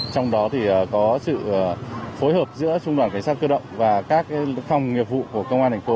trong đó thì có sự phối hợp giữa trung đoàn cảnh sát cơ động và các thông nghiệp vụ của công an tp